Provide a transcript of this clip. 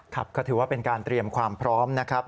ครับก็ถือว่าเป็นการเตรียมความพร้อมนะครับ